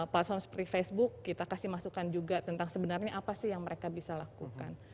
platform seperti facebook kita kasih masukan juga tentang sebenarnya apa sih yang mereka bisa lakukan